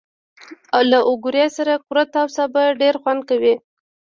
له اوگرې سره کورت او سابه ډېر خوند کوي.